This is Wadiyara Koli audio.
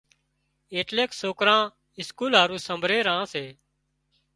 ايٽليڪ سوڪران اسڪول هارُو سمڀرِي ري سي۔